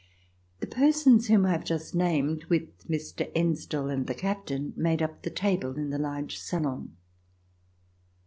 The persons whom I have just named, with Mr. Ensdel and the captain, made up the table in the large salon.